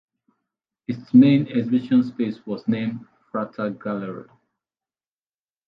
Its main exhibition space was named Frater Gallery.